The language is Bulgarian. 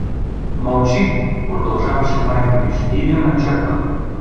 Мълчи — продължаваше майка ми — ще идем на черква.